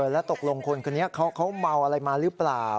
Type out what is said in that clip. แล้วตกลงคนคนนี้เขาเมาอะไรมาหรือเปล่า